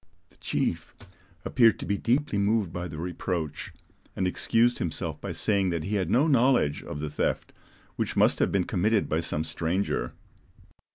The chief appeared to be deeply moved by the reproach, and excused himself by saying that he had no knowledge of the theft, which must have been committed by some stranger.